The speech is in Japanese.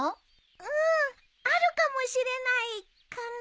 うんあるかもしれないかな。